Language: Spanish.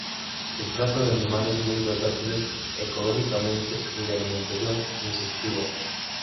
Se trata de animales muy versátiles ecológicamente y de alimentación insectívora.